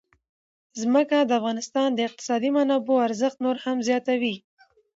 ځمکه د افغانستان د اقتصادي منابعو ارزښت نور هم زیاتوي.